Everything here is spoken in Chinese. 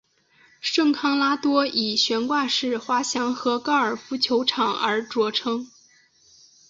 圣康拉多以悬挂式滑翔和高尔夫球场而着称。